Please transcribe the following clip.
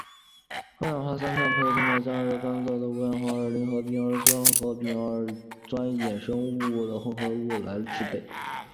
二氧化三碳可以通过加热干燥的五氧化二磷和丙二酸或丙二酸酯衍生物的混合物来制备。